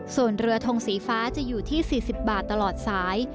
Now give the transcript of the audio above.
ส่วนเรือทงสีฟ้าจะอยู่ที่๔๐บาทตลอดสาย